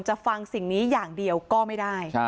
ฟังสิ่งนี้อย่างเดียวก็ไม่ได้